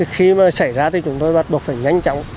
khi mà xảy ra thì chúng tôi bắt buộc phải nhanh chóng